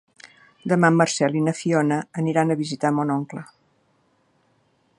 Demà en Marcel i na Fiona aniran a visitar mon oncle.